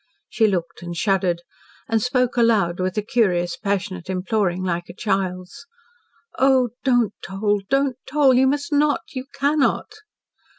She looked and shuddered, and spoke aloud with a curious, passionate imploring, like a child's. "Oh, don't toll! Don't toll! You must not! You cannot!"